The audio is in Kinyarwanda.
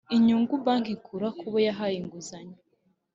inyungu banki ikura ku bo yahaye inguzanyo